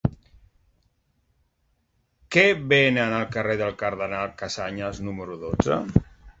Què venen al carrer del Cardenal Casañas número dotze?